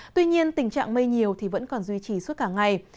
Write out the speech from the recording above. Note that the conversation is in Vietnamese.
tuy nhiên tình trạng mây nhiều thì vẫn còn duy trì suốt cả ngày